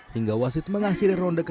hingga wasit mengakhiri ronde ke tiga